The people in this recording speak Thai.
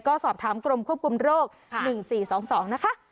ก็สอบถามกรมควบคุมโรค๑๔๒๒นะคะ